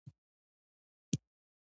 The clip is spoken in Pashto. مېلې د ټولني د فکري پرمختګ لامل ګرځي.